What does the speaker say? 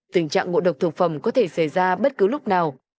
tình trạng ngộ độc thực phẩm có thể xảy ra bất cứ lúc nào